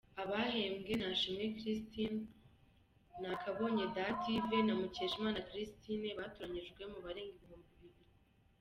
Abahembwe ni Ashimwe Christine, Nakabonye Dative na Mukeshimana Christine; batoranyijwe mu barenga ibihumbi bibiri